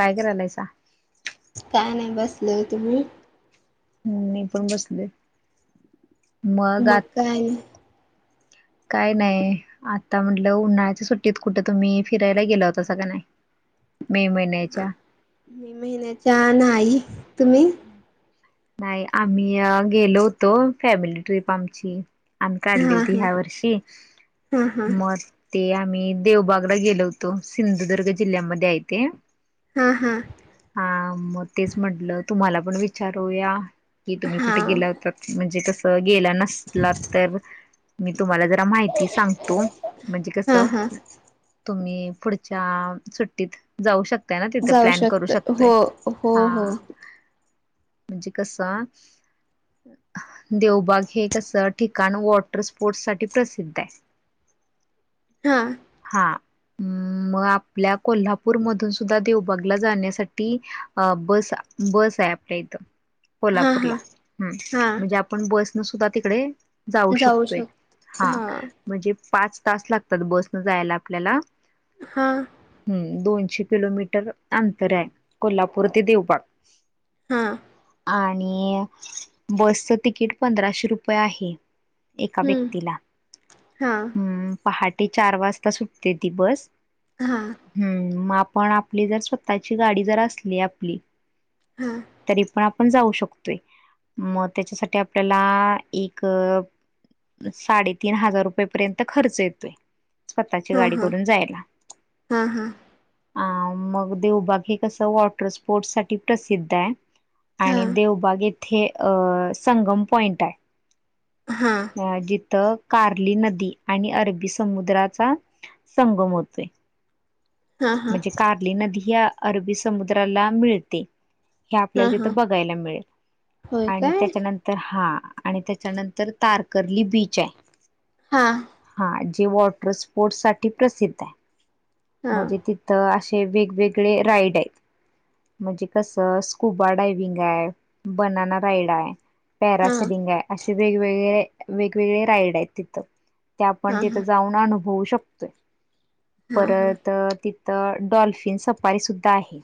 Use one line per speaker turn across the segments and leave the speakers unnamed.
काय करायलायचा
काय नाही बसलय तुम्ही
मी पण बसले मग
काय नाही
काय नाही आता म्हटलं उन्हाळ्याच्या सुट्टीत कुठं तुम्ही फिरायला गेला होता सगळं नाही मे
हा
महिन्याच्या
मी महिन्याच्या नाही तुम्ही
नाही आम्ही गेलो होतो फॅमिली ट्रिप आमची आण काढली
हा
होती
हा
ह्या वर्षी
हा हा
मग ते आम्ही देवबागला गेलो होतो सिंधुदुर्ग जिल्ह्यामध्ये आहेथे
हा हा
हा मग तेच म्हटलं तुम्हाला पण विचारूया की तुम्ही
हा
कुठे
हा
गेलात म्हणजे कस गेला नसला तर मी तुम्हाला जरा माहिती ती सांगतो म्हणजे कस
हा हा
तुम्ही पुढच्या सुट्टीत जाऊ शकताय ना तिथे
जाऊ
प्लॅन करू
शकत
शकतोय
हो हो
हा
हो
म्हणजे कसा देवबाग हे कसं ठिकाण वॉटर स्पोर्ट्स साठी प्रसिद्ध आहे [inaudible]
हा
हा अ मग आपल्या कोल्हापूर मधून सुद्धा देवबागला जाण्यासाठी बस बस आहे आपल्या इथं
हा
कोल्हापूरला
हा
ह
हा
म्हणजे आपण बसन सुद्धा तिकडे जाऊ शकतोय हा म्हणजे पाच तास लागतात बसन जायला आपल्याला
हां
हम्म दोनशे किलोमीटर अंतर आहे कोल्हापूर ते देवबाग
हां
आणि बसचं तिकीट पंधराशे रुपये आहे एका
हम्म
व्यक्तीला
हा
अम पहाटे चार वाजता सुटते ती बस
हां
हम्म मग आपण आपली जर स्वतःची गाडी जर असली आपली
हा
तरी पण आपण जाऊ शकतोय मग त्याच्यासाठी आपल्याला एक साडेतीीन हजार रुपयेपर्यंत खर्च येतोय
हा
स्वतःची
हा
गाडी
हा
करून जायला
हा हा
अ मग देवबाग हे कसं वॉटर स्पोर्टस साठी प्रसिद्ध आहे
हा
आणि देव बाग येथे अ संगम पॉइंट आहे
हम
अ जिथं कार्ली नदी आणि अरबी समुद्राचा संगम होतोय
हा
म्हणजे कार्ली नदी या अरबी समुद्राला मिळते हे
हा
आपल्याला
हा
तिथं बघायला मिळेल
होय
आणि
काय
त्याच्यानंतर तर हा आणि त्याच्यानंतर तारकर्ली बीच आहे
हा
हा जे वॉटर स्पोर्ट साठी प्रसिद्ध आहे
हा
म्हणजे तिथं असे वेगवेगळे राईड आहेत म्हणजे कसं स्कुबा डायविंग आहे बनना राइड आहे
हा हा
पॅरासडिंग आहे असे वेगवेगळे वेगवेगळे राईड आहेत तिथं ते आपण
हा
तिथं जाऊन अनुभवू शकतोय
हा हा
परत तिथं डॉल्फिन सपारी सुद्धा आहे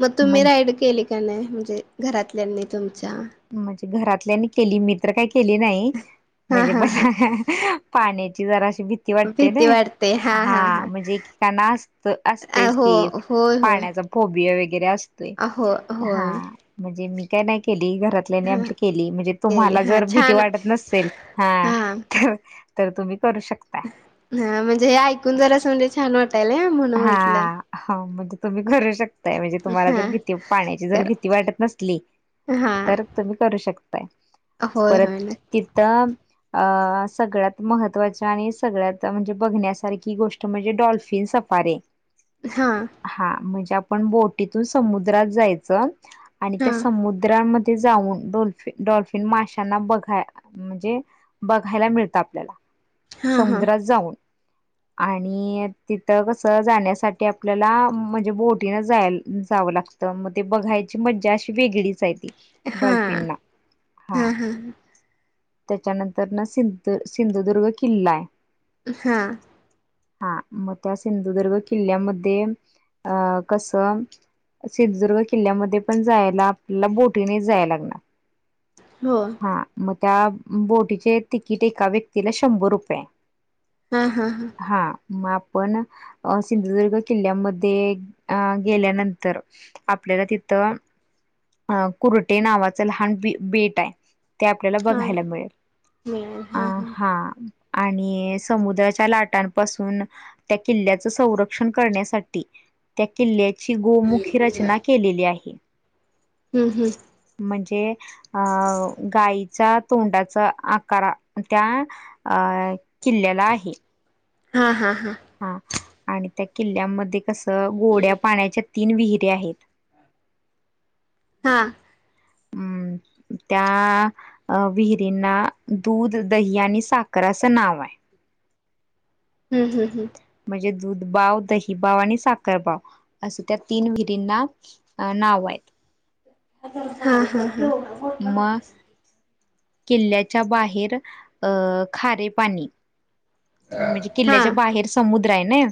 मग तुम्ही
म्हणजे
राईड केली का नाही म्हणजे घरातल्यानी तुमच्या
म्हणजे घरातल्यानी केली मी तर काही केली नाही
हा
म्हणजे
हा
ब
हा
पाण्याची जरा अशी भ भीती वाटते नई हा म्हणजे एकेकांना असत असतेच
हो
की
होय होय
पाण्याचा फोबिय वगैरे असतोय
हो
हा
होय
म्हणजे मी काय नाही केली घरात
हा
केली म्हणजे
केली
तुम्हाला
हा
जर भीती
छान
वाटत नसेल हा तर तर तुम्ही करू शकता
हा म्हणजे हे ऐकून जरास म्हणजे छान वाटालय
हा हा मग तुम्ही करू शकता म्हणजे तुम्हाला जर
हा
भीती पाण्याची जर
करा
भीती वाटत नसली
हा
तर तुम्ही करू शकताय
होय
परत
होय न
तिथ अ सगळ्यात महत्त्वाच्या आणि सगळ्यात म्हणजे बघण्यासारखी गोष्ट म्हणजे डॉल्फिन पारे
हा
हा म्हणजे आपण बोटीतून समुद्रात जायचं आणि
हा
त्या समुद्राम ते जाऊन डल्फिन डॉल्फिन माशांना बघा म्हणजे बघायला मिळतं आपल्याला
हा हा
समुद्रात जाऊन आणि ति तर कसं जाण्यासाठी आपल्याला म्हणजे बोटीन जायला जावं लागतं मग ते बघाय मज्जा अशी वेगळीच आहे ती
हा हा
डल्फिनला हा त्याच्यानंतर ना सिंधू सिंधुदुर्ग किल्ला आहे
हा
हा मग त्या सिंधुदुर्ग किल्ल्यामध्ये अं कसं सिंधुदुर्ग किल्ल्यामध्ये पण जायला आपल्याला बोटीने जायला लागणार
हो
हा मग त्या बोटीचे तिकीट एका व्यक्तीला शंभर रुपये हाये
हा हा हा
हा मा पण सिंधुदुर्ग किल्ल्यामध्ये अ गेल्यानंतर आपल्याला तिथं अ कुरटे नावाचं लहान बी बेट आहे ते आपल्याला
हा
बघायला मिळेल
मिळेल
अ हा आणि समुद्राच्या लाटांपासून त्या किल्ल्याच संरक्षण करण्यासाठी त्या किल्ल्या ची गोमुखी रचना केलेली आहे.
हम्म हम्म.
म्हणजे अ गाईचा तोंडाचा आकार त्या. अ किल्ल्याला आहे.
हा हा हा
हा आणि त्या किल्ल्यामध्ये कसं गोड्या पाण्याच्या तीन विहिरी आहेत.
हा.
हम् त्या. अ विहिरींना दूध दही आणि साखर असं नाव आहे
हम् हम् हं.
म्हणजे दूध बाव दही बाव आणि साखर बाव असे त्या तीन विहिरींना. अ नाव आहेत.
हा हा हा.
मग किल्ल्याच्या बाहेर अं खारे पाणी. म्हणजे
हा
किल्ल्याच्या बाहेर समुद्र आहे नाई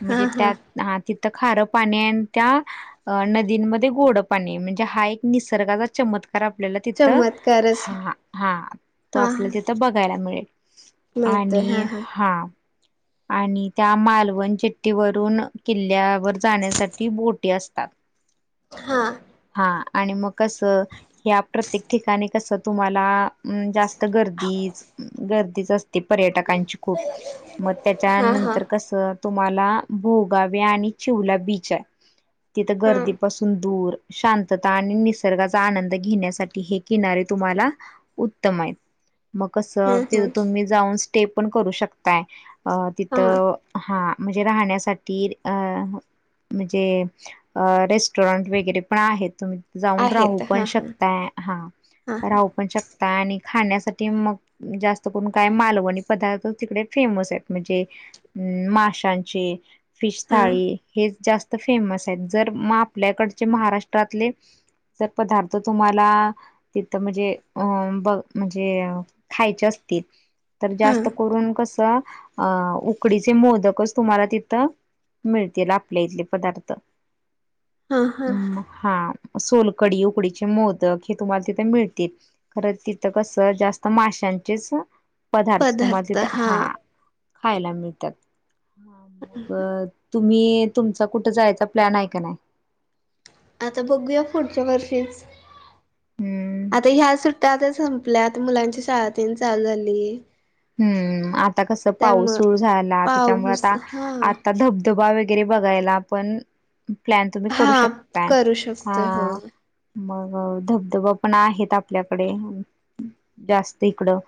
म्हणजे त्यात हा तिथं खारं पाणी आणि त्या. अ नदींमध्ये गोड पाणी म्हणजे हा एक निसर्गाचा चमत्कार. आपल्याला तिथ
चमत्कारच
हा हा तो
हा
आपल्याला तिथ बघायला मिळेल. आणि हा. आणि त्या मालवण चिठ्टठी वरून किल्ल्या- वर जाण्यासाठी बोटी असतात.
हा.
हा आणि मग कसं, ह्या प्रत्येक ठिकाणी कस तुम्हाला अं जास्त गर्दी गर्दीच अस ते पर्यटकांची खूप. मग
हा हा
त्याच्यानंतर क स तुम्हाला भोगावी आणि चिवला बीच आहे. तिथं
हा
गर्दीपासून दूर. शांतता आणि निसर्गाचा आनंद घेण्यासाठी हे किनारे तुम्हाला उत्तम आहे. मग कस
हा हा
तिथं तुम्ही जाऊन स्टे पण करू शकताय. अ
हा
तिथं हा, म्हणजे राहण्यासाठी अं म्हणजे अ रेस्टॉरंट वगैरे पण आहेत. तुम्ही जाऊन राहू
आहेत
पण
हा हा
शकताय. हा
हा
राहू पण शक ता आणि खाण्यासाठी मग जास्त करून काय मालवणी पदार्थ तिकडे फेमस आहेत. म्हणजे माशांची फिश
हा
थाळी, हेच जास्त फेमस आहेत. जर म आपल्याकडचे महाराष्ट्रातले जर पदार्थ तुम्हाला तिथं म्हणजे अं ब म्हणजे खायचे असतील, तर
हा
जास्त करून कस अ उकडीचे मोदकच तुम्हाला तिथं मिळतील आपले इथले पदार्थ.
हां हां.
हा सोलकडी, उकडीचे मोदक हे तुम्हाला तिथे मिळतील. खरं तिथं कसं, जास्त माश्यांचेच पदार्थ तुम्हाला तिथं. हा. खायला मिळत्यात. प तुम्ही तुमचा कुठं जायचा प्लॅन आहे का नाही?
आता बघूया पुढच्या वर्षीच.
हम्म
आता ह्या सुट्ट्या आता संपल्यात आता मुलांची शाळ तेन चालू झालीये.
हं, आता कस पाऊस सुरू झाला त्याच्यामुळे
पाऊस
आता
हा
आता धब धबा वगैरे बघायला पण प्लॅन तुम्ही करू
हा
शकताय.
करू शकतोय हो
हा, मग धबधबा पण आहेत आपल्याकडे. जास्त इकडं.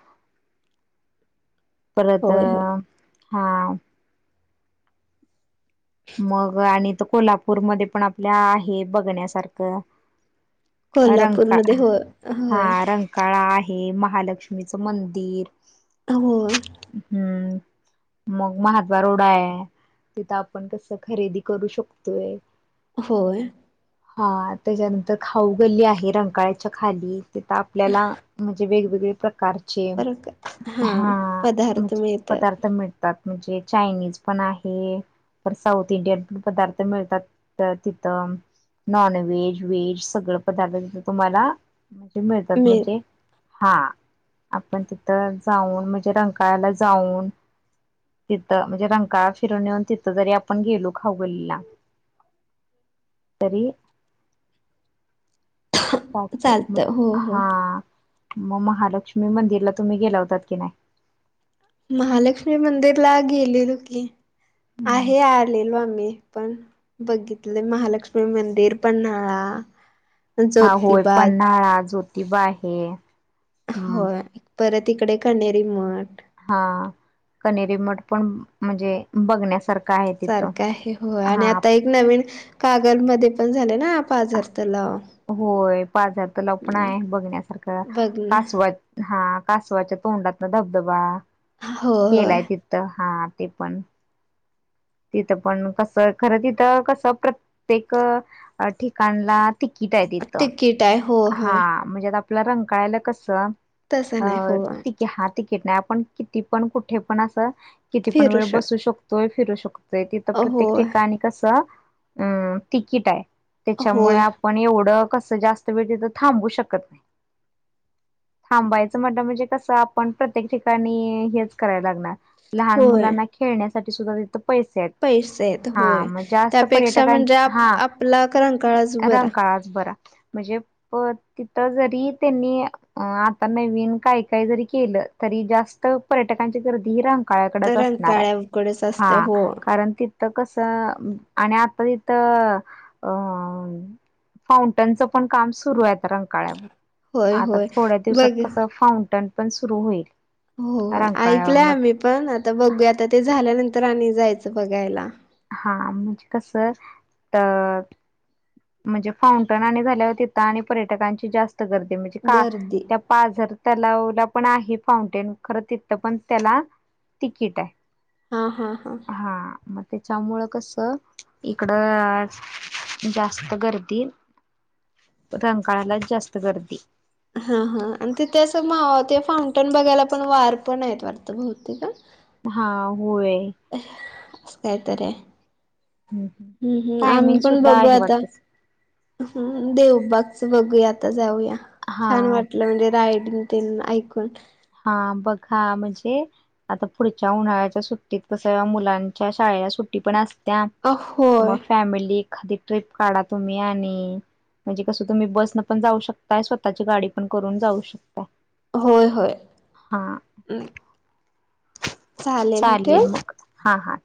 परत अ
होय होय
हा. मग आणि इथं कोल्हापूरमध्ये पण आपल्या आहे बघण्यासारखं. रंकाळ
कोल्हापूरमध्ये हो
हा
होय
रंका काळा आहे, महालक्ष्मीचं मंदिर.
होय.
हं, मग महात्वा रोड आहे, तिथं आ पण कसं खरेदी करू शकतोय.
होय.
हा त्याच्यानंतर खाऊ गल्ली आहे, रंकाळ्याच्या खाली. तिथ आपल्याला म्हणजे वेगवेगळे प्रकार चे
फरक हां
हा,
पदार्थ
म्हणजे
मिळतात
पदार्थ मिळ तात. म्हणजे चायनीज पण आहे, परत साऊथ इंडियन पण पदार्थ मिळतात तर तिथं. नॉनव्हेज व्हेज सगळ पदार्थ तिथे तुम्हाला म्हणजे मिळतात.
मिळ
म्हणजे हा, आपण तिथं जाऊन म्हणजे रंकाळ्याला जाऊन तिथं म्हणजे रंकाळा फिरून येऊन तिथं जरी आपण गेलो खाऊ गल्लीला तरी, चालतेय. म
चालतं हो हो.
हा. म महालक्ष्मी मंदिरला तुम्ही गेला होतात की नाही?
महालक्ष्मी मंदिरला गेलेलो की.
नाही?
आहे आलेलो आम्ही पण. बघितलं महालक्ष्मी मंदिर, पन्हाळा,
हा होय.
ज्योतिबा
पन्हाळा, जोतिबा आहे. हम्म
होय परत इकडे कन्हेरी मठ
हा कनेरी मठ पण म्हणजे बघण्यासारखा
सारखं आहे हो आणि आता एक नवीन कागल मध्ये पण झाले ना पाझर तलाव
होय बाजार तर लपण
हं.
आहे बघण्यासारखं
बघ ना
कासवद हा कासवाच्या तोंडात ना धबधबा
होय होय.
गेलाय तिथ तर हा ते पण तिथं पण कसं खरं तिथं कसं प्रत्येक ठिकाणला टिकीट आहे तिथं
तिकीट आहे हो
हा
होय
म्हणजे आता आपला रंकाळ्याला कस
तसं नाही होय.
कि हा तिकीट नाही आपण किती पण कुठे पण अस किती पण
फिरू
वेळ
शक
बसू शकतोय फिरू शकतो तिथं प्रत्येक
होय,
ठिकाणी कसं अं तिकीट आहे
होय,
त्याच्यामुळे पण एवढं कसं जास्त वेळ तथं थांबू शकत नाही थांबायचं म्हटलं म्हणजे कसं आपण प्रत्येक ठिकाणी हेच करायला लागणार लहान
होय.
मुलांना खेळण्यासाठी सुद्धा तिथं पैसे
पैसे आहेत
हा
होय.
मग जास्त
त्यापेक्षा
पर्यटकां
म्हणजे आप
हा
आपला रंकाळाच बरा.
रंकाळा बरा म्हणजे प तिथ जरी त्यांनी अ आता नवीन काही काही जरी केलं तरी जास्त पर्यटकांची गर्दीही रंका ळ्याकडच असणार आहे
रंकाळ्याकडेच
हा
असते हो,
कारण तिथं कस आणि आता तिथं अ फाउंटनचं पण काम सुरू आहे आता
होय,
रंकाळ्यावर आता
होय.
थोड्या दिवसात
बघ
कसं फाउंटन पण सुरू होईल
हो
रंकाळ्यावर
ऐकलंय
मग
आम्ही पण आता बघू आता ते झाल्यानंतर आणि जायचं बघायला
हा म्हणजे कस अ म्हणजे फाउंटन आणि झाल्यावर तिथं आणि पर्यटकांची जास्त गर्दी म्हणजे का
गर्दी
त्या पाझर तलावला पण आहे फाउंटेन खरं तिथं पण त्याला तिकीट आहे
हा हा हा
त्याच्यामुळं कस इकडं जास्त गर्दी रंकाळालाच जास्त गर्दी
हा हा आणि तिथ अस ते फाउंटन बघायला पण वार पण आहेत वाट भाहुतेक हा
हा होय
[unintelligible]
हम्म हम्म.
हम् हम्
टायमिंग
आम्ही पण
सुद्धा
बघू
आहे
आता
वाटतच
हम् देवबागच बघूया आता जाऊया
हा
छान वाटलं म्हणजे रायडिंग ते ऐकून
हा बघा म्हणजे आता पुढच्या उन्हाळ्याच्या सुट्टीत कसं मुलांच्या शाळेला सुट्टी पण असते त्या
अ होय
मग फॅमिली एखादी ट्रिप काढा तुम्ही आणि म्हणजे कसं तुम्ही बस न पण जाऊ शकताय स्वतःची गाडी पण करून जाऊ शकताय
होय होय
हा
हं [inaudible]
चालेल
ठेवू?
मग हां हां